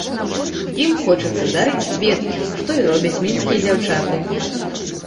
Ім хочацца дарыць кветкі, што і робяць мінскія дзяўчаты.